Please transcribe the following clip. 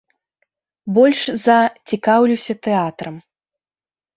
Больш за цікаўлюся тэатрам.